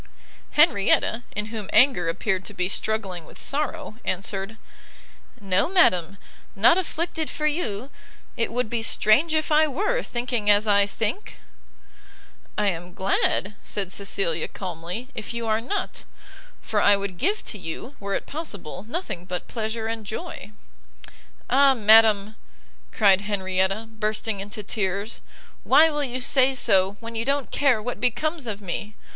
Henrietta, in whom anger appeared to be struggling with sorrow, answered, "No, madam, not afflicted for you! it would be strange if I were, thinking as I think!" "I am glad," said Cecilia, calmly, "if you are not, for I would give to you, were it possible, nothing but pleasure and joy." "Ah madam!" cried Henrietta, bursting into tears, "why will you say so when you don't care what becomes of me!